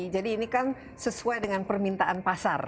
jadi ini kan sesuai dengan permintaan pasar